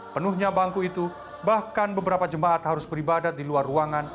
penuhnya bangku itu bahkan beberapa jemaat harus beribadat di luar ruangan